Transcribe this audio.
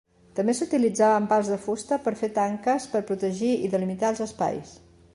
També s’utilitzaven pals de fusta per fer tanques per protegir i delimitar els espais.